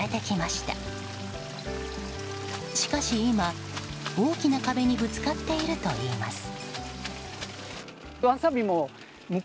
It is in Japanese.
しかし今、大きな壁にぶつかっているといいます。